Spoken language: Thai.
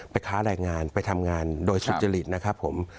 ค้าแรงงานไปทำงานโดยสุจริตนะครับผม